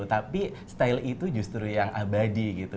tapi style itu justru yang abadi gitu